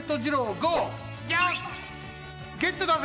ゲットだぜ！